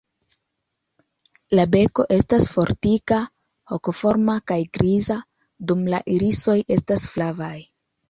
La beko estas fortika, hokoforma kaj griza, dum la irisoj estas flavaj.